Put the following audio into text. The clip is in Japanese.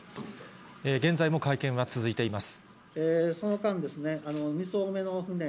現在も会見は続いています。